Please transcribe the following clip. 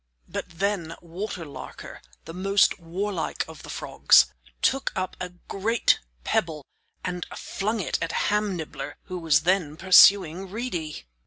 But then Water Larker, the most warlike of the frogs, took up a great pebble and flung it at Ham Nibbler who was then pursuing Reedy.